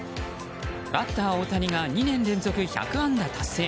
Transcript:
バッター大谷が２年連続１００安打達成。